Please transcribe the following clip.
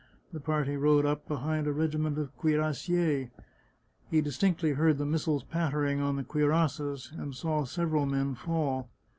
The party rode up behind a regiment of cuirassiers; he distinctly heard the missiles pattering on the cuirasses, and saw several men fall.